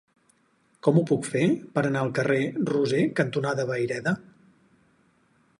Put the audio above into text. Com ho puc fer per anar al carrer Roser cantonada Vayreda?